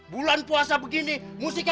bulan puasa begini musiknya